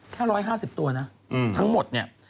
แค่๑๕๐ตัวนะทั้งหมดเนี่ย